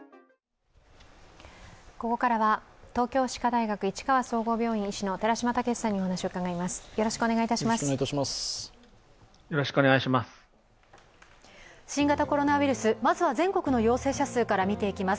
ここからは東京歯科大学市川総合病院医師の寺嶋毅さんにお話を伺います。